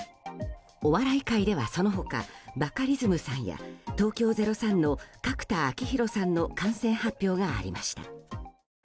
お笑い界ではその他バカリズムさんや東京０３の角田晃広さんの感染発表がありました。